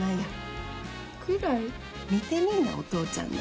見てみいなお父ちゃんら。